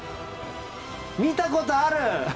見たことある！